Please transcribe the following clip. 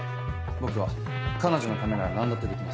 僕は彼女のためなら何だってできます。